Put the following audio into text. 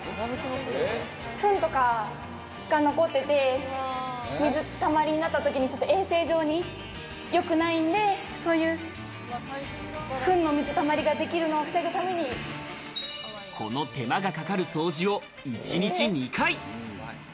ふんとかが残ってて、水たまりになったときに、衛生上よくないんで、そういうふうな水たまりができるのを防ぐたこの手間がかかる掃除を１日２回。